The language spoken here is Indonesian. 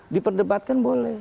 di perdebatkan boleh